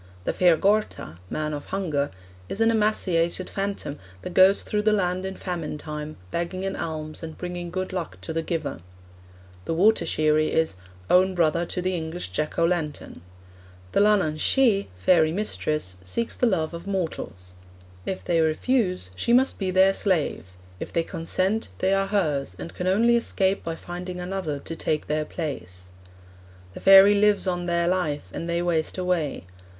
'The Fear Gorta (Man of Hunger) is an emaciated phantom that goes through the land in famine time, begging an alms and bringing good luck to the giver.' The Water sheerie is 'own brother to the English Jack o' Lantern.' 'The Leanhaun Shee (fairy mistress) seeks the love of mortals. If they refuse, she must be their slave; if they consent, they are hers, and can only escape by finding another to take their place. The fairy lives on their life, and they waste away.